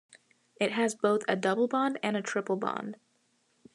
It has both a double bond and a triple bond.